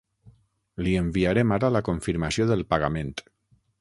Li enviarem ara la confirmació del pagament.